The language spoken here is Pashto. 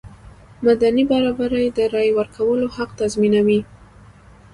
مدني برابري د رایې ورکولو حق تضمینوي.